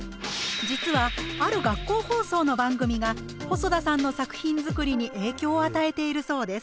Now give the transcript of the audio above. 実はある学校放送の番組が細田さんの作品づくりに影響を与えているそうです。